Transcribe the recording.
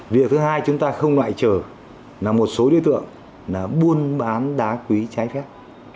việc thứ hai chúng ta không loại trở là một số đối tượng là buôn bán đá quý trái phép